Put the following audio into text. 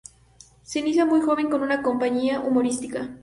Se inicia muy joven, con una compañía humorística.